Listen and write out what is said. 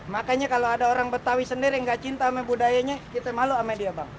makanya kalau ada orang betawi sendiri yang gak cinta sama budayanya kita malu sama dia bang